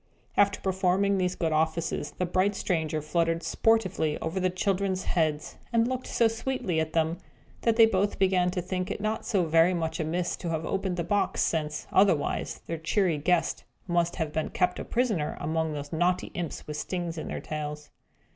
After performing these good offices, the bright stranger fluttered sportively over the children's heads, and looked so sweetly at them, that they both began to think it not so very much amiss to have opened the box, since, otherwise, their cheery guest must have been kept a prisoner among those naughty imps with stings in their tails.